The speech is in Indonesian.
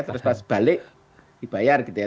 terus pas balik dibayar gitu ya